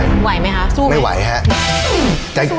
ไหวไหมคะสู้ไหมคะไม่ไหวฮะไม่สู้